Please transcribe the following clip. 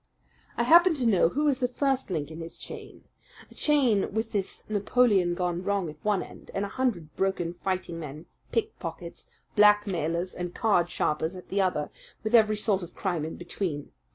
"I happen to know who is the first link in his chain a chain with this Napoleon gone wrong at one end, and a hundred broken fighting men, pickpockets, blackmailers, and card sharpers at the other, with every sort of crime in between.